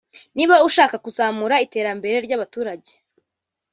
niba ushaka kuzamura iterambere ry’abaturage